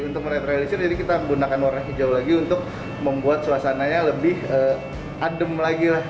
untuk menetralisir jadi kita gunakan warna hijau lagi untuk membuat suasananya lebih adem lagi lah